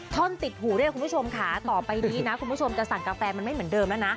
ท่อนติดหูด้วยคุณผู้ชมค่ะต่อไปนี้นะคุณผู้ชมจะสั่งกาแฟมันไม่เหมือนเดิมแล้วนะ